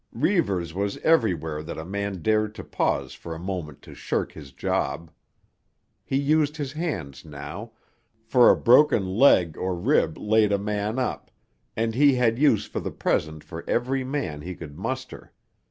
Reivers was everywhere that a man dared to pause for a moment to shirk his job. He used his hands now, for a broken leg or rib laid a man up, and he had use for the present for every man he could muster.